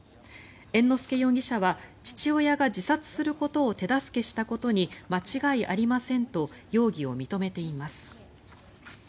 猿之助容疑者は父親が自殺することを手助けしたことに間違いありませんと容疑を認めています。